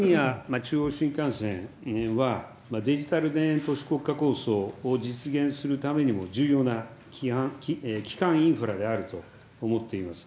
中央新幹線は、デジタル田園都市国家構想を実現するためにも、重要な基幹インフラであると思っています。